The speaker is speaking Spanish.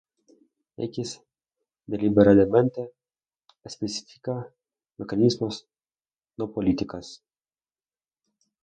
X deliberadamente especifica "mecanismos, no políticas".